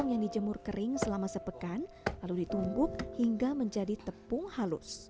cinta itu juga tentu berbalas dari mereka